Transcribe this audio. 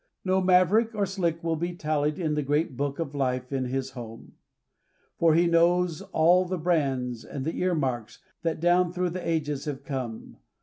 No maverick or slick will be tallied In the great book of life in his home, For he knows all the brands and the earmarks That down through the ages have come.